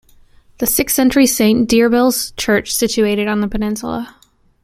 The sixth-century Saint Deirbhile's Church, situated on the peninsula.